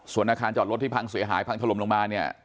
ส่วนอาคารจอดรถที่พังเสียหายพังถล่มลงมาเนี่ย